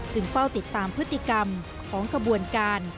จึงเป้าติดตามพฤติกรรมของกระบวนการ